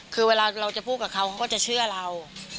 คือเวลาเราจะพูดกับเขาเขาก็จะเชื่อเรา